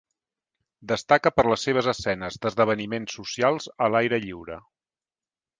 Destaca per les seves escenes d'esdeveniments socials a l'aire lliure.